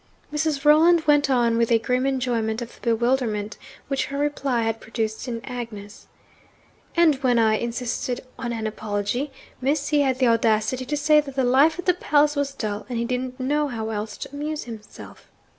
Mrs. Rolland went on, with a grim enjoyment of the bewilderment which her reply had produced in Agnes: 'And when I insisted on an apology, Miss, he had the audacity to say that the life at the palace was dull, and he didn't know how else to amuse himself!'